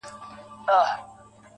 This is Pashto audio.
• کمزوری سوئ يمه، څه رنگه دي ياده کړمه.